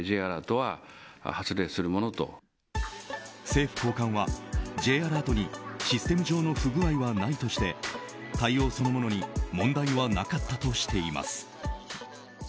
政府高官は、Ｊアラートにシステム上の不具合はないとして対応そのものに問題はなかったとしています。